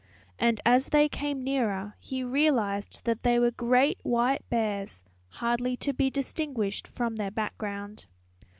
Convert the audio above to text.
And as they came nearer he realized that they were great white bears hardly to be distinguished from their background.